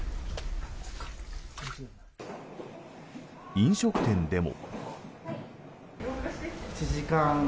飲食店でも。